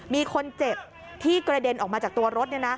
มีคนเจ็บที่กระเด็นออกมาจากตัวรถ